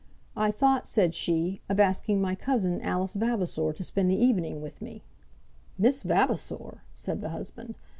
"I thought," said she, "of asking my cousin, Alice Vavasor, to spend the evening with me." "Miss Vavasor!" said the husband.